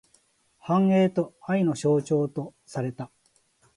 繁栄と愛の象徴とされた。